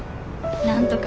なんとか。